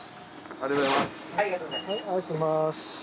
ありがとうございます。